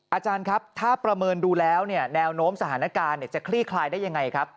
อาจารย์ครับถ้าประเมินดูแล้วเนี่ยแนวโน้มสถานการณ์จะคลี่คลายได้ยังไงครับ